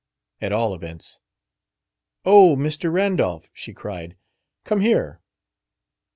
At all events "Oh, Mr. Randolph," she cried, "come here."